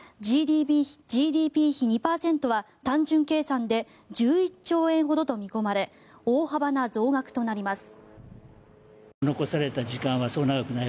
ＧＤＰ比２％は単純計算で１１兆円ほどと見込まれ大幅な増額となります。